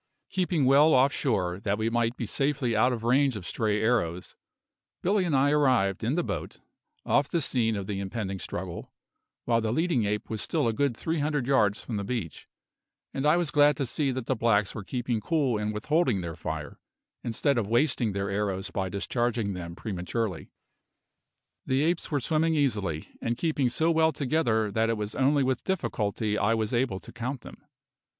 Keeping well off shore, that we might be safely out of range of stray arrows, Billy and I arrived, in the boat, off the scene of the impending struggle, while the leading ape was still a good three hundred yards from the beach, and I was glad to see that the blacks were keeping cool and withholding their fire, instead of wasting their arrows by discharging them prematurely. The apes were swimming easily, and keeping so well together that it was only with difficulty I was able to count them.